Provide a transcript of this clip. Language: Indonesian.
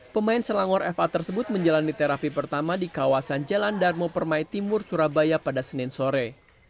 pemain selangor fa tersebut menjalani terapi pertama di kawasan jalan darmo permai timur surabaya pada senin sore